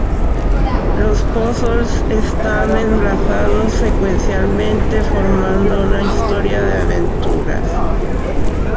Los puzzles están enlazados secuencialmente formando una historia de aventuras.